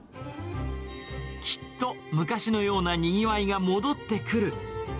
きっと昔のようなにぎわいが戻ってくる。